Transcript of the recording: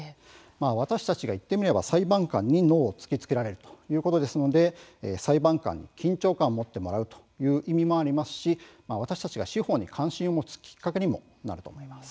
私たちは言ってみれば裁判官に「ＮＯ」を突きつけられるということですので裁判官に緊張感を持ってもらうという意味もありますし私たちが司法に関心を持つきっかけにもなると思います。